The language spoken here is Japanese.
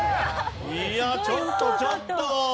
いやあちょっとちょっと！